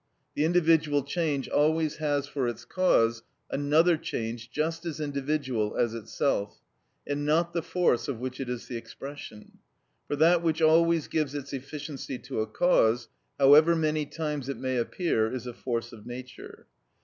The individual change always has for its cause another change just as individual as itself, and not the force of which it is the expression. For that which always gives its efficiency to a cause, however many times it may appear, is a force of nature.